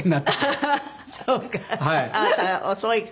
そうか。